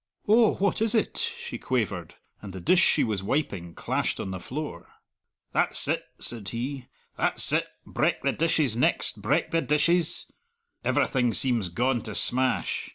"Oh, what is it?" she quavered, and the dish she was wiping clashed on the floor. "That's it!" said he, "that's it! Breck the dishes next; breck the dishes! Everything seems gaun to smash.